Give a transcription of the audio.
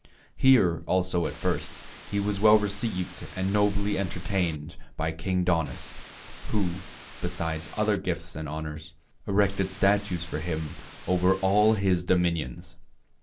Here also at first he was well received and nobly entertained by King Daunus, who, besides other gifts and honors, erected statues for him over all his dominions.